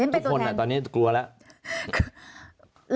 ทุกคนตอนนี้กลัวแล้ว